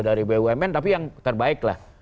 dari bumn tapi yang terbaik lah